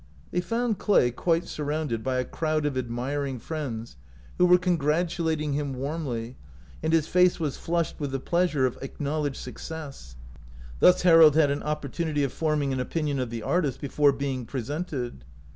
They found Clay quite surrounded by a crowd of admir ing friends who were congratulating him warmly, and his face was flushed with the pleasure of acknowledged success. Thus Harold had an opportunity of forming an opinion of the artist before being presented.